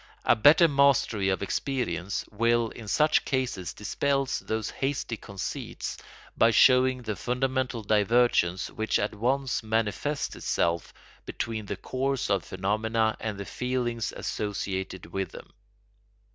A better mastery of experience will in such cases dispel those hasty conceits by showing the fundamental divergence which at once manifests itself between the course of phenomena and the feelings associated with them.